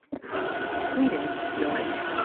We didn't steal it.